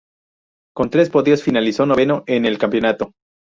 Con tres podios, finalizó noveno en el campeonato.